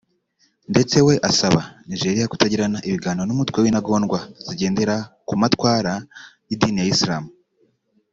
ndetse we asaba Nigeria kutazagirana ibiganiro n’umutwe w’intagondwa zigendera ku matwara y’idini ya Islam